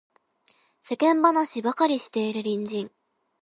世間話ばかりしている隣人